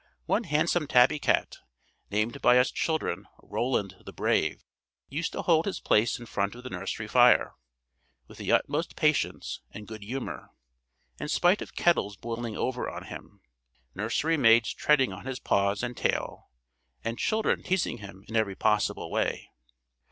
One handsome tabby cat, named by us children Roland the Brave, used to hold his place in front of the nursery fire, with the utmost patience and good humour, in spite of kettles boiling over on him, nursery maids treading on his paws and tail, and children teasing him in every possible way."